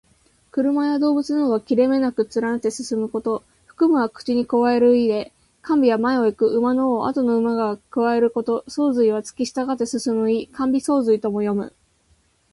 車や動物などが切れ目なく連なって進むこと。「銜」は口にくわえる意で、「銜尾」は前を行く馬の尾をあとの馬がくわえること。「相随」はつきしたがって進む意。「銜尾相随う」とも読む。